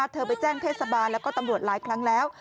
เธอไปแจ้งเทศบาลแล้วก็ตำรวจหลายครั้งแล้ว